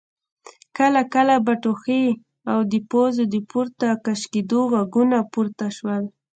کله کله به ټوخی او د پزو د پورته کشېدو غږونه پورته شول.